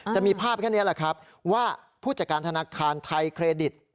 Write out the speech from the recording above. จะมีภาพแค่นี้แหละครับว่าผู้จัดการธนาคารไทยเครดิต